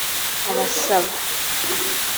arasaba